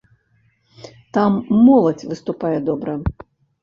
Там моладзь выступае добра.